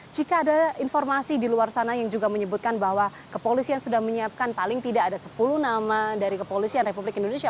jika ada informasi di luar sana yang juga menyebutkan bahwa kepolisian sudah menyiapkan paling tidak ada sepuluh nama dari kepolisian republik indonesia